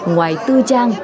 ngoài tư trang